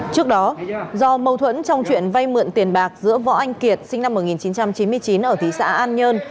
trước đó do mâu thuẫn trong chuyện vay mượn tiền bạc giữa võ anh kiệt sinh năm một nghìn chín trăm chín mươi chín ở thị xã an nhơn